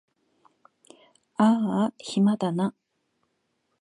あーあ暇だな